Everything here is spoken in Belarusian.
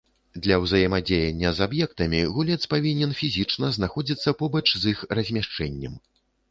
Для ўзаемадзеяння з аб'ектамі гулец павінен фізічна знаходзіцца побач з іх размяшчэннем.